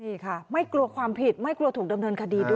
นี่ค่ะไม่กลัวความผิดไม่กลัวถูกดำเนินคดีด้วย